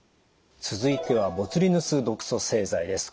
続いてはボツリヌス毒素製剤です。